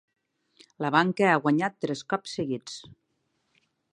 La banca ha guanyat tres cops seguits.